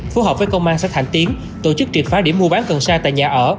phù hợp với công an xã thạnh tiến tổ chức triệt phá điểm mua bán cần xa tại nhà ở